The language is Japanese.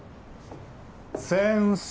・先生。